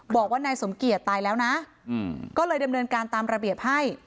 บอกว่านายสมเกียจตายแล้วนะก็เลยดำเนินการตามระเบียบให้